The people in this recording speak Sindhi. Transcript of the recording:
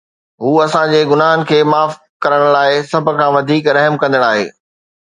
هو اسان جي گناهن کي معاف ڪرڻ لاء سڀ کان وڌيڪ رحم ڪندڙ آهي